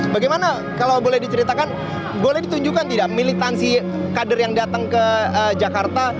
bagaimana kalau boleh diceritakan boleh ditunjukkan tidak militansi kader yang datang ke jakarta